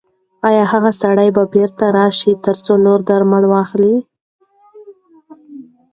ایا سړی به بیرته راشي ترڅو نور درمل واخلي؟